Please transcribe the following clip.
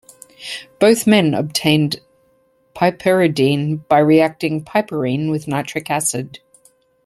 Both men obtained piperidine by reacting piperine with nitric acid.